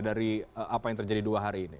dari apa yang terjadi dua hari ini